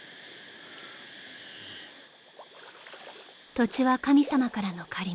［土地は神様からの借り物］